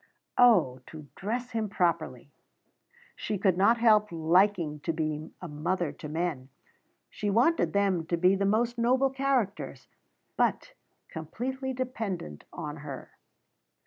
Oh, to dress him properly! She could not help liking to be a mother to men; she wanted them to be the most noble characters, but completely dependent on her.